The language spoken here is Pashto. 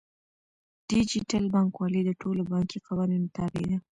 ډیجیټل بانکوالي د ټولو بانکي قوانینو تابع ده.